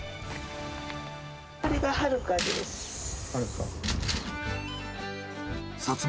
これがはるかです。